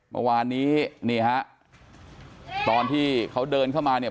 เมื่อวานนี้นี่ฮะตอนที่เขาเดินเข้ามาเนี่ย